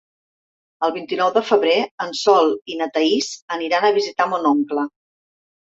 El vint-i-nou de febrer en Sol i na Thaís aniran a visitar mon oncle.